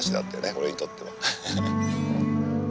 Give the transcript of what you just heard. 俺にとっては。